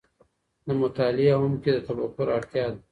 د مطالعې عمق کې د تفکر اړتیا ده.